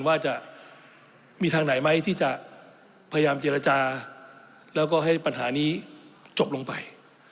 ว่าจะมีทางไหนไหมที่จะพยายามเจรจาแล้วก็ให้ปัญหานี้จบลงไป